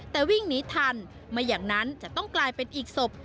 แต่วิ่งหนีทันไม่อย่างนั้นจะต้องกลายเป็นอีกศพ